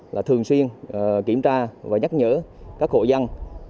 là thường xuyên kiểm tra và nhắc nhở các hộ dân